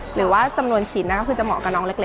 หรือว่าจำนวนฉีดก็คือจะเหมาะกับน้องเล็ก